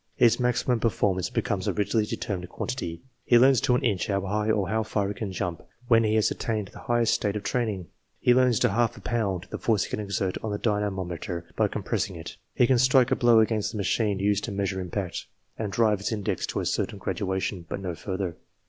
His maximum per formance becomes a rigidly determinate quantity. He learns to an inch, how high or how far he can jump, when he has attained the highest state of training. He learns to half a pound, the force he can exert on the dyna mometer, by compressing it. He can strike a blow against the machine used to measure impact, and drive its index to a certain graduation, but no further.